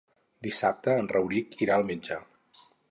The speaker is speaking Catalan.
Dissabte en Rauric irà al metge.